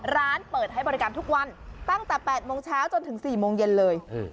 ร้านเปิดให้บริการทุกวันตั้งแต่๘โมงเช้าจนถึง๔โมงเย็นเลย